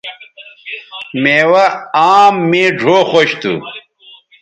میوہ آم مے ڙھؤ خوش تھو